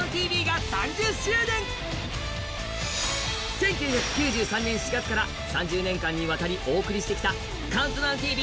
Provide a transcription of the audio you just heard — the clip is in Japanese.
１９９３年４月から３０年間にわたりお送りしてきた「ＣＤＴＶ」